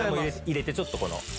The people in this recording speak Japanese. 入れてちょっとこの。